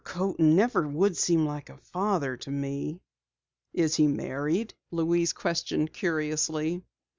Coaten never would seem like a father to me." "Is he married?" Louise questioned curiously.